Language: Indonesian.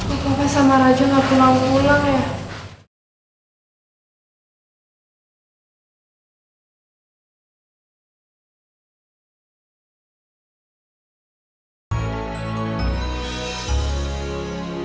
apa apa sama raju gak pernah pulang ya